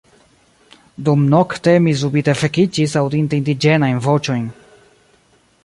Dumnokte mi subite vekiĝis, aŭdinte indiĝenajn voĉojn.